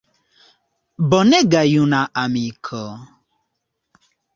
Bonega juna amiko!